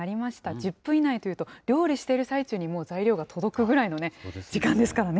１０分以内というと、料理している最中に、もう材料が届くぐらいのね、時間ですからね。